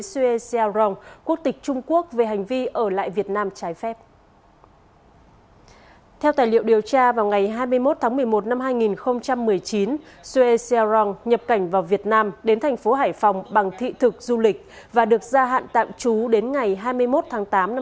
sử dụng chứng nhận tạm trú quá thời hạn và được yêu cầu xuất cảnh